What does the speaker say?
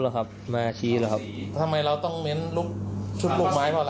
หรอครับมาชี้หรอครับแล้วทำไมเราต้องเม้นลูกชุดลูกไม้เพราะ